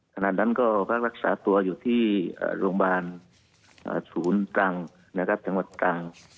ขณะนั้นก็ภักดารรักษาตัวอยู่ที่โรงพลังบาล๐๖นจางวัดตรัง